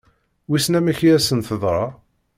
Wissen amek i asent-teḍra?